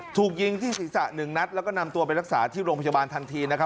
ถูกยิงที่ศีรษะหนึ่งนัดแล้วก็นำตัวไปรักษาที่โรงพยาบาลทันทีนะครับ